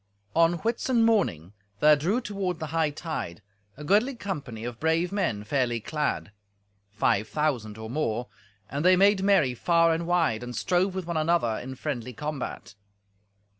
On Whitsun morning there drew toward the hightide a goodly company of brave men, fairly clad: five thousand or more, and they made merry far and wide, and strove with one another in friendly combat.